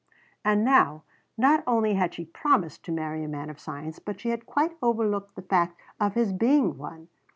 '" And now, not only had she promised to marry a man of science, but she had quite overlooked the fact of his being one!